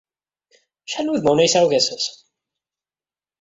Acḥal n wudmawen ay yesɛa ugasas?